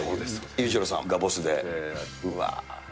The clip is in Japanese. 裕次郎さんがボスで。